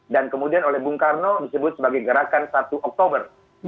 dan kemudian oleh bung karno disebut sebagai gerakan satu oktober